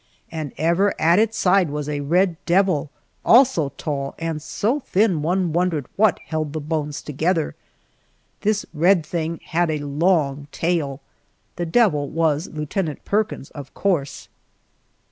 And ever at its side was a red devil, also tall, and so thin one wondered what held the bones together. This red thing had a long tail. The devil was Lieutenant Perkins, of course.